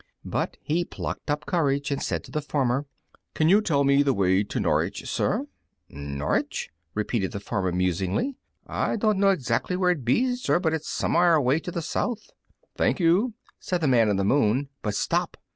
But he plucked up courage and said to the farmer, "Can you tell me the way to Norwich, sir?" "Norwich?" repeated the farmer musingly; "I don't know exactly where it be, sir, but it's somewhere away to the south." [Illustration: The Man in the Moon] "Thank you," said the Man in the Moon. But stop!